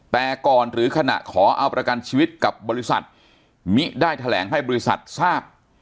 แต่ก่อนหรือขณะขอเอาประกันชีวิตกับบริษัทมิได้แถลงให้บริษัททราบ